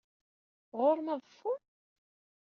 Ɣur-m aḍeffu?